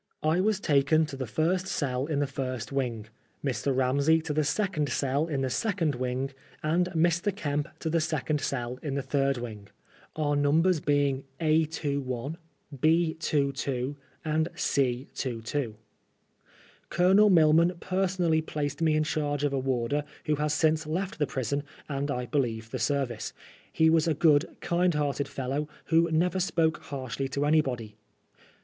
I 124 PBISONBB FOB BLASPHEMT. was taken to the first cell in the first wing^ Mr. Ramsey to the second cell in the second wing, and Mr. Kemp to the second cell in the third wing ; onr numbers being A 2» l^B 2, 2 ^«nd C 2, 2. Colonel Milman personally placed me in charge of a warder who has since left the prison, and I believe the service^ He was a good, kind *hearted fellow, who never spoke harshly to any* body.